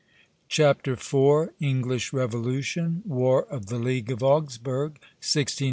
CHAPTER IV. ENGLISH REVOLUTION. WAR OF THE LEAGUE OF AUGSBURG, 1688 1697.